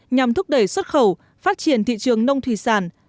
nhằm thúc đẩy xuất khẩu phát triển thị trường nông thủy sản